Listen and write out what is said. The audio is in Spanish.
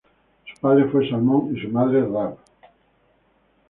Su padre fue Salmón y su madre Raab.